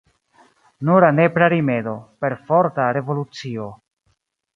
Nura nepra rimedo: perforta revolucio.